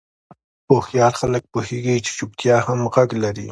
هوښیار خلک پوهېږي چې چوپتیا هم غږ لري.